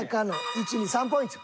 １２３ポイント。